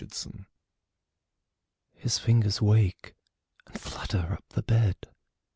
Conscious His fingers wake, and flutter up the bed.